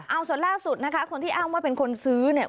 เอาส่วนล่าสุดนะคะคนที่อ้างว่าเป็นคนซื้อเนี่ย